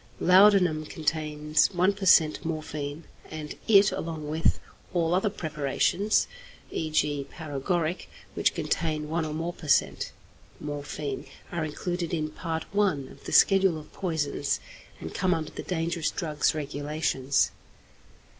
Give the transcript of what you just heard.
Laudanum contains 1 per cent. morphine, and it, along with all other preparations (e.g., paregoric) which contain 1 or more per cent. morphine, are included in Part I. of the Schedule of Poisons, and come under the Dangerous Drugs Regulations.